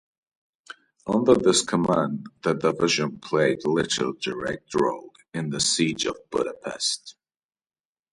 Under this command the division played little direct role in the siege of Budapest.